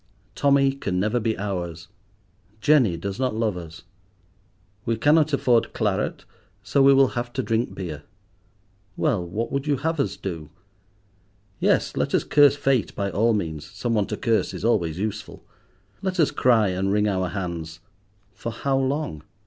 Tommy can never be ours, Jenny does not love us. We cannot afford claret, so we will have to drink beer. Well, what would you have us do? Yes, let us curse Fate by all means—some one to curse is always useful. Let us cry and wring our hands—for how long?